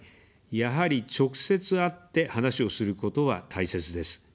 やはり、直接会って話をすることは大切です。